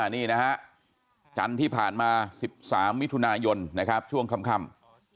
นี่นะฮะจันทร์ที่ผ่านมา๑๓มิถุนายนนะครับช่วงค่ำ